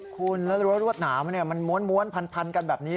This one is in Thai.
คุณแล้วรั้วรวดหนามมันม้วนพันกันแบบนี้